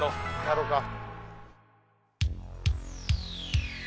やろうか。